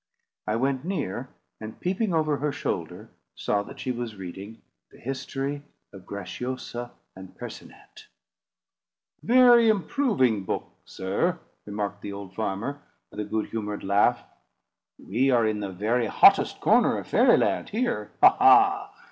I went near, and peeping over her shoulder, saw that she was reading The History of Graciosa and Percinet. "Very improving book, sir," remarked the old farmer, with a good humoured laugh. "We are in the very hottest corner of Fairy Land here. Ha! ha!